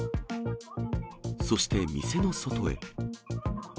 そして、店の外へ。